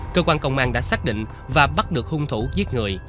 cơ quan công an đã xác định và bắt được hung thủ giết người